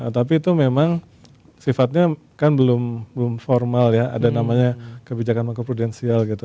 tapi itu memang sifatnya kan belum formal ya ada namanya kebijakan mengkoprudensial gitu